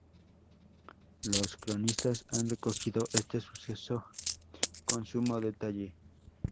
Los cronistas han recogido este suceso con sumo detalle.